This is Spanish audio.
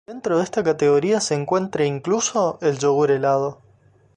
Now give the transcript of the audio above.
Dentro de esta categoría se encuentra incluso el yogur helado.